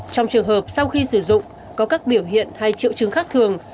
trong trường hợp sau khi sử dụng có các biểu hiện hay triệu chứng khác thường